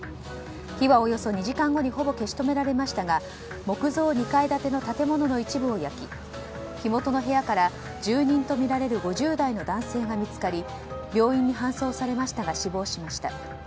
火はおよそ２時間後にほぼ消し止められましたが木造２階建ての建物の一部を焼き火元の部屋から住人とみられる５０代の男性が見つかり病院に搬送されましたが死亡しました。